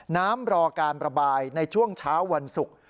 น้ำรอการระบายในช่วงเช้าวันศุกร์